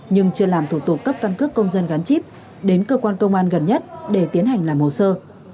nhưng chưa làm thủ tục cấp căn cước công dân gắn chip đến cơ quan công an gần nhất để tiến hành làm hồ sơ